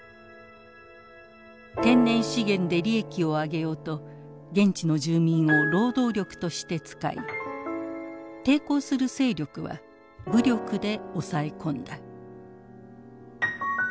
天然資源で利益を上げようと現地の住民を労働力として使い抵抗する勢力は武力で抑え込んだ。